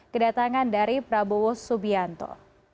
kedatangan dari prabowo subianto